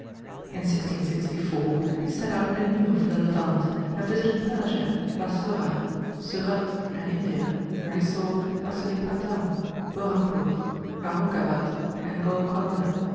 In 1664, he set out anew for the Levant, and visited Persia, Bassorah, Surat, and India, where he saw Masulipatam, Burhampur, Aurungabad, and Golconda.